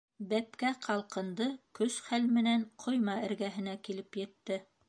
Бәпкә ҡалҡынды, көс-хәл менән ҡойма эргәһенә килеп етте.